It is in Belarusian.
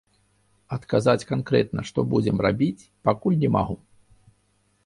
Адказаць канкрэтна, што будзем рабіць, пакуль не магу.